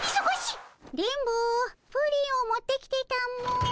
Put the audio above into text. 電ボプリンを持ってきてたも。